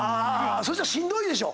そしたらしんどいでしょ。